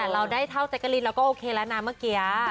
เราได้เท่าแจ๊กกะลินเราก็โอเคแล้วนะเมื่อกี้